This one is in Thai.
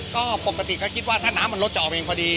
ก็ปกติก็คิดว่าถ้าน้ำมันลดจะออกเองพอดี